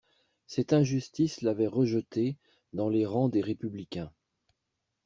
Cette injustice l'avait rejeté dans les rangs des républicains.